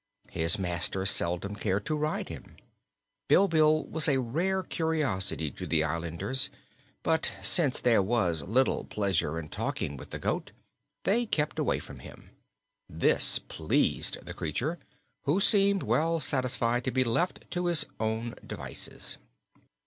His master seldom cared to ride him. Bilbil was a rare curiosity to the islanders, but since there was little pleasure in talking with the goat they kept away from him. This pleased the creature, who seemed well satisfied to be left to his own devices.